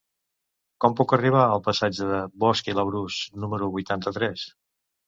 Com puc arribar al passatge de Bosch i Labrús número vuitanta-tres?